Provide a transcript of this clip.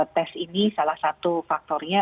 tes ini salah satu faktornya